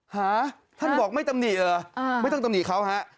ฮะท่านบอกไม่ตำหนิเหรอไม่ต้องตำหนิเขาฮะ